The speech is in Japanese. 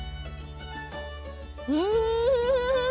うん！